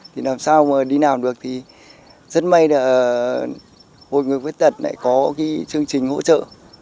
thì làm sao mà đi làm được thì rất may là hội người khuyết tật lại có cái chương trình hỗ trợ